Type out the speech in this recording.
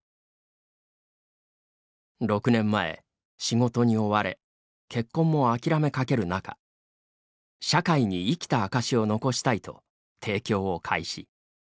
６年前、仕事に追われ結婚も諦めかける中社会に生きた証しを残したいと提供を開始。